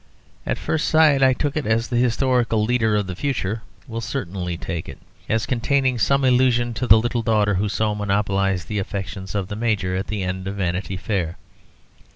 At first sight, I took it, as the historical leader of the future will certainly take it, as containing some allusion to the little daughter who so monopolised the affections of the Major at the end of "Vanity Fair."